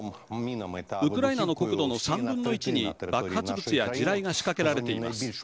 ウクライナの国土の３分の１に爆発物や地雷が仕掛けられています。